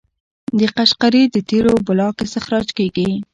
د قشقري د تیلو بلاک استخراج کیږي.